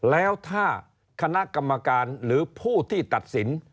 แล้วถ้าคณะกรรมการหรือผู้ที่ตัดสิน